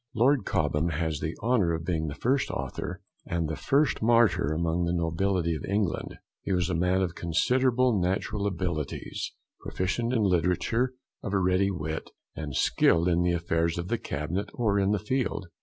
Lord Cobham has the honour of being the first author and the first martyr among the nobility of England. He was a man of considerable natural abilities, proficient in literature, of a ready wit, and skilled in the affairs of the cabinet or in the field.